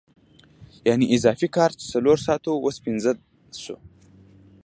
یانې اضافي کار چې څلور ساعته وو اوس پنځه شو